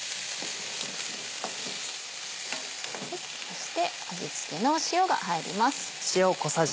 そして味付けの塩が入ります。